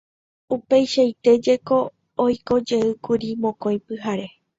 Upeichaite jeko oikojeýkuri mokõi pyhare.